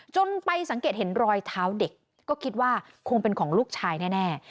จนไปสังเกตเห็นรอยเท้าเด็กก็คิดว่าคงเป็นของลูกชายแน่